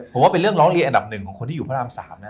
ผมว่าเป็นเรื่องร้องเรียนอันดับหนึ่งของคนที่อยู่พระราม๓นะ